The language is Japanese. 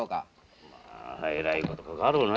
まあえらいことかかるね。